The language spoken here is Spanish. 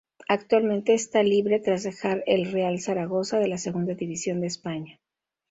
Actualmente está libre tras dejar el Real Zaragoza de la Segunda División de España.